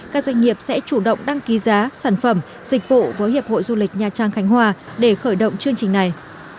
các doanh nghiệp sẽ chủ động đăng ký giá sản phẩm dịch vụ với hiệp hội du lịch nha trang khánh hòa để khởi động chương trình này